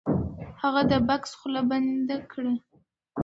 هغه د بکس خوله بنده کړه. .